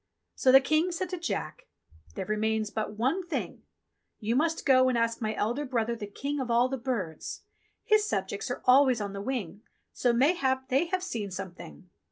So the King said to Jack, "There remains but one thing. 48 ENGLISH FAIRY TALES You must go and ask my eldest brother the King of all the Birds. His subjects are always on the wing, so mayhap, they have seen something.